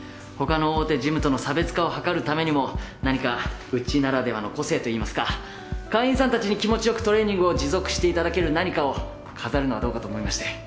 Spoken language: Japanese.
他の大手ジムとの差別化を図るためにも何かうちならではの個性といいますか会員さんたちに気持ちよくトレーニングを持続していただける何かを飾るのはどうかと思いまして。